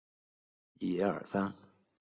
兼检讨。